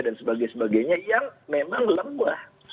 dan sebagainya yang memang lemah